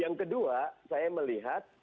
yang kedua saya melihat